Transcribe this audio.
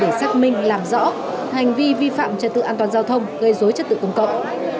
để xác minh làm rõ hành vi vi phạm trật tự an toàn giao thông gây dối trật tự công cộng